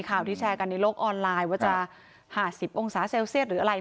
ข่าวที่แชร์กันในโลกออนไลน์ว่าจะ๕๐องศาเซลเซียสหรืออะไร